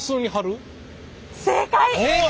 正解！